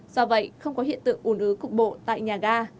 do vậy không có hiện tượng ủn ứ cục bộ tại nhà ga